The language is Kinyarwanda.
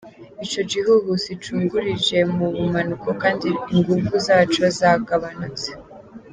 Ico gihuhusi cungururije mu bumanuko kandi inguvu zaco zagabanutse.